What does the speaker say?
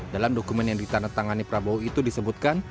dalam dokumen yang ditandatangani prabowo itu disebutkan